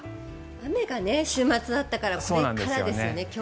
雨が週末、あったからこれからですよね。